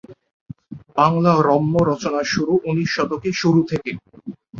বাংলা রম্য রচনার শুরু উনিশ শতকের শুরু থেকে।